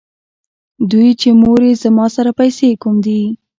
چې مورې زما سره پېسې کوم دي ـ